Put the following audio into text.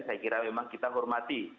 saya kira memang kita hormati